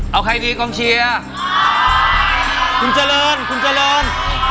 เอาใครดีกองเชียร์คุณเจริญคุณเจริญ